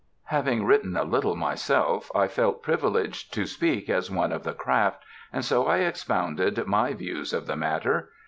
Having written a little myself, I felt privileged to speak as one of the craft, and so I expounded my views of the matter.